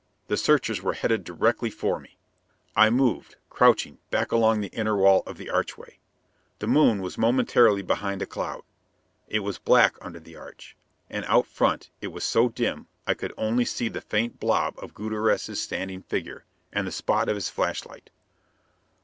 The searchers were headed directly for me. I moved, crouching, back along the inner wall of the archway. The moon was momentarily behind a cloud. It was black under the arch; and out front it was so dim I could only see the faint blob of Gutierrez's standing figure, and the spot of his flashlight.